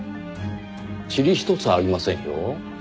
塵ひとつありませんよ。